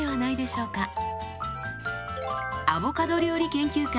アボカド料理研究家